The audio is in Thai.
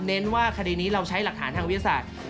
เน้นว่าคดีนี้เราใช้หลักฐานทางวิทยาศาสตร์